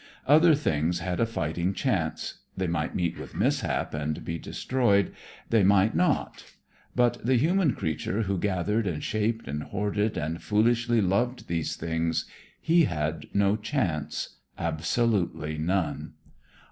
Other things had a fighting chance; they might meet with mishap and be destroyed, they might not. But the human creature who gathered and shaped and hoarded and foolishly loved these things, he had no chance absolutely none.